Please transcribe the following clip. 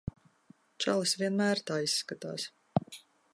Čalis vienmēr tā izskatās.